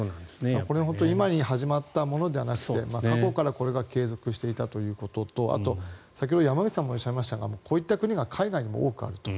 これは今に始まったものではなくて過去からこれが継続していたということとあと、先ほど山口さんもおっしゃいましたがこういった国は海外にも多くあると。